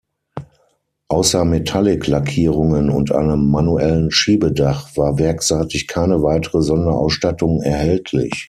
Außer Metallic-Lackierungen und einem manuellen Schiebedach war werksseitig keine weitere Sonderausstattung erhältlich.